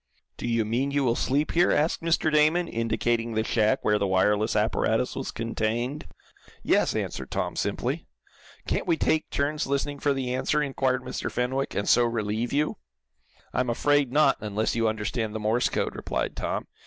"Do you mean you will sleep here?" asked Mr. Damon, indicating the shack where the wireless apparatus was contained. "Yes," answered Tom, simply. "Can't we take turns listening for the answer?" inquired Mr. Fenwick, "and so relieve you?" "I'm afraid not, unless you understand the Morse code," replied Tom.